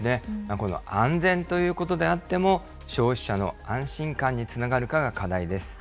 この安全ということであっても、消費者の安心感につながるかが課題です。